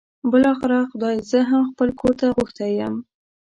بالاخره خدای زه هم خپل کور ته غوښتی یم.